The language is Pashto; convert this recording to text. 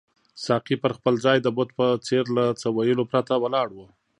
ساقي پر خپل ځای د بت په څېر له څه ویلو پرته ولاړ وو.